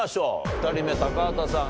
２人目高畑さん